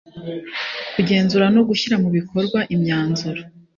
kugenzura no gushyira mu bikorwa imyanzuro